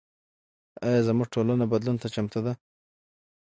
ایا زموږ ټولنه بدلون ته چمتو ده؟